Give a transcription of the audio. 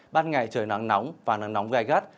ban ngày trời nắng nóng và nắng nóng gai gắt